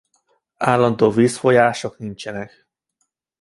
Állandó vízfolyások nincsenek.